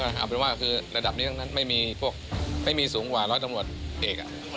เอาเป็นว่าคือระดับนี้ทั้งนั้นไม่มีพวกไม่มีสูงกว่าร้อยตำรวจเอก